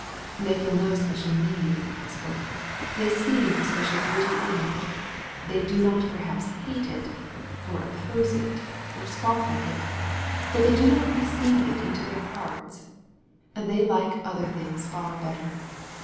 They feel no special need of the Gospel. They see no special beauty in it. They do not perhaps hate it, or oppose it, or scoff at it, but they do not receive it into their hearts. They like other things far better.